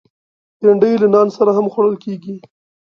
بېنډۍ له نان سره هم خوړل کېږي